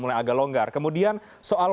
mulai agak longgar kemudian soal